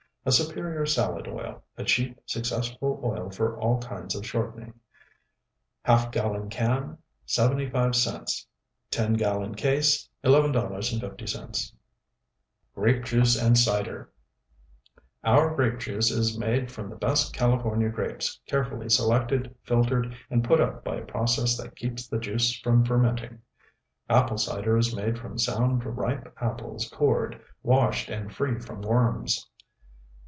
A superior salad oil, a cheap, successful oil for all kinds of shortening. ½ gal. can, $0.75 10 gal. case, 11.50 Grape Juice and Cider Our Grape Juice is made from the best California grapes carefully selected, filtered, and put up by a process that keeps the juice from fermenting. Apple Cider is made from sound ripe apples cored, washed and free from worms.